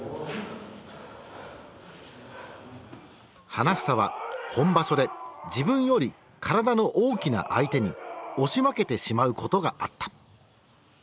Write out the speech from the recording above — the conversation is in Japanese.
花房は本場所で自分より体の大きな相手に押し負けてしまうことがあった。